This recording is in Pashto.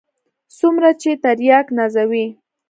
څومره چې ترياک نازوي.